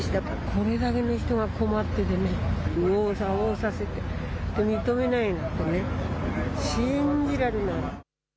これだけの人が困っていて右往左往させて認めないなんて信じられない。